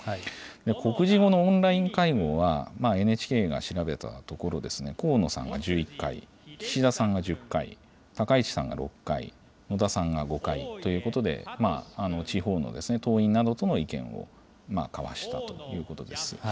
告示後のオンライン会合は、ＮＨＫが調べたところ、河野さんが１１回、岸田さんが１０回、高市さんが６回、野田さんが５回ということで、地方の党員などとの意見を交わしたということです。